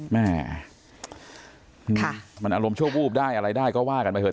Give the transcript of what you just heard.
แม่มันอารมณ์ชั่ววูบได้อะไรได้ก็ว่ากันไปเถ